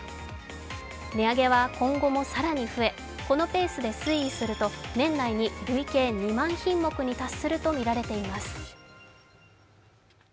値上げは今後も更に増え、このペースで推移すると年内に累計２万品目に達するとみられています。